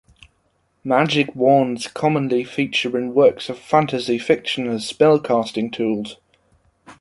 Magic wands commonly feature in works of fantasy fiction as spell-casting tools.